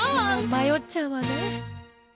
まよっちゃうわね。